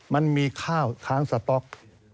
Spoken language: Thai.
มันมีข้าวค้างสต๊อก